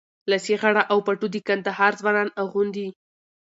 لاسي غاړه او پټو د کندهار ځوانان اغوندي.